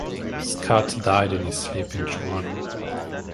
Scott died in his sleep in Toronto.